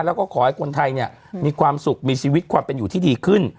แล้วก็ขอให้คนไทยเนี่ยมีความสุขมีชีวิตความเป็นอยู่ที่ดีขึ้น